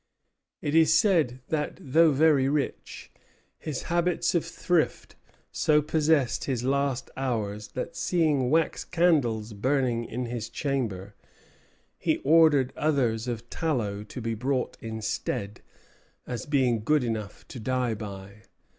It is said that, though very rich, his habits of thrift so possessed his last hours that, seeing wax candles burning in his chamber, he ordered others of tallow to be brought instead, as being good enough to die by.